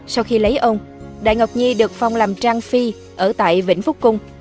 sau khi lấy ông đại ngọc nhi được phong làm trang phi ở tại vĩnh phúc cung